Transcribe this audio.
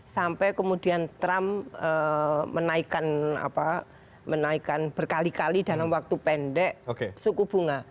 sampai kemudian trump menaikkan berkali kali dalam waktu pendek suku bunga